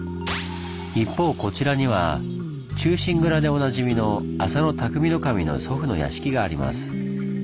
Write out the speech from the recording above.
一方こちらには「忠臣蔵」でおなじみの浅野内匠頭の祖父の屋敷があります。